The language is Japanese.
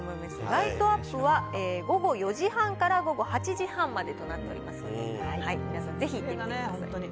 ライトアップは午後４時半から午後８時半までとなっておりますので、皆さんぜひ行ってみてください。